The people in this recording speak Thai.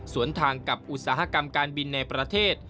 ส่วนทางกับอุตสาหกรรมการบินในประเทศ